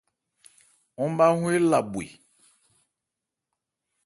Ɔ́n ma ɔ́n éla bhwe.